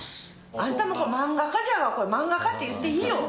あんたもう、漫画家じゃわ、これ、漫画家って言っていいよ。